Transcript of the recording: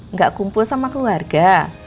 nggak kumpul sama keluarga